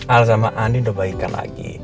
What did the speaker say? al sama andin udah baik kan lagi